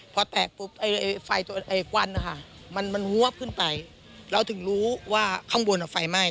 ถ้าแตกฟังก้อนมันว้อปขึ้นไปเราถึงรู้ว่าข้างบนเฟ้าฟายไหม้